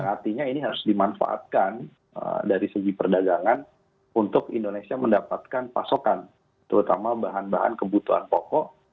artinya ini harus dimanfaatkan dari segi perdagangan untuk indonesia mendapatkan pasokan terutama bahan bahan kebutuhan pokok